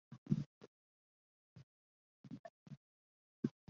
池端金毛猿金花虫为金花虫科金毛猿金花虫属下的一个种。